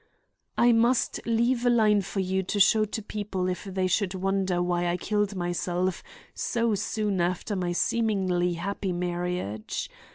"I must leave a line for you to show to people if they should wonder why I killed myself so soon after my seemingly happy marriage.